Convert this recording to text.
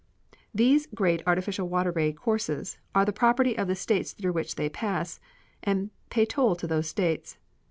These great artificial water courses are the property of the States through which they pass, and pay toll to those States.